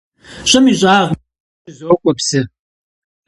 ЩӀым и щӀагъми щызокӀуэ псы.